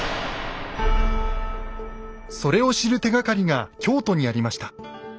それを知る手がかりが京都にありました。